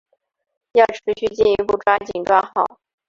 要持续进一步抓紧抓好